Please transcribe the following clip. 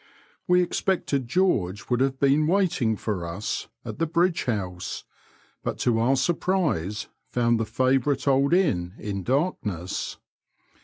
We expected George would have been waiting for us at the Bridge House, but to our surprise found the favourite old inn in darkness.